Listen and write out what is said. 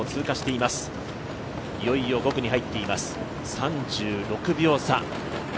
いよいよ５区に入っています、３６秒差。